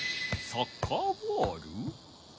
サッカーボール？